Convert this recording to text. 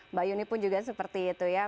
mbak yuni pun juga seperti itu ya